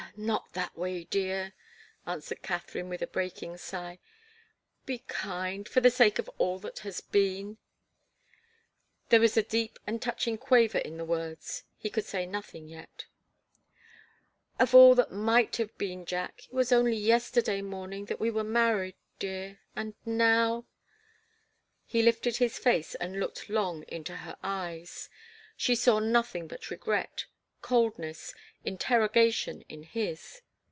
"Ah not that way, dear!" answered Katharine, with a breaking sigh. "Be kind for the sake of all that has been!" There was a deep and touching quaver in the words. He could say nothing yet. "Of all that might have been, Jack it was only yesterday morning that we were married dear and now " He lifted his face and looked long into her eyes she saw nothing but regret, coldness, interrogation in his.